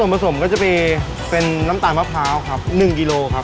ผสมก็จะมีเป็นน้ำตาลมะพร้าวครับ๑กิโลครับ